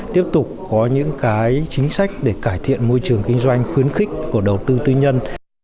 tiếp tục có những cái chính sách để cải thiện môi trường kinh doanh khuyến khích của đầu tư tư nhân